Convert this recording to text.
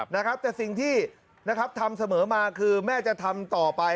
นะครับแต่สิ่งที่นะครับทำเสมอมาคือแม่จะทำต่อไป